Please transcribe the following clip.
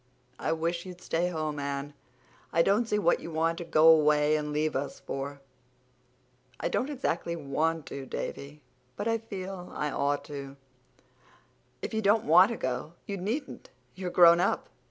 I wish you'd stay home, Anne. I don't see what you want to go away and leave us for." "I don't exactly want to, Davy, but I feel I ought to go." "If you don't want to go you needn't. You're grown up.